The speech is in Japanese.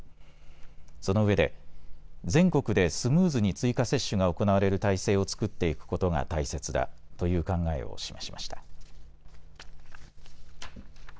そのうえで全国でスムーズに追加接種が行われる体制を作っていくことが大切だという考えを示しました。